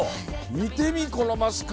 見てみこのマスク。